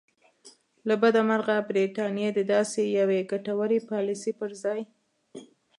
له بده مرغه برټانیې د داسې یوې ګټورې پالیسۍ پر ځای.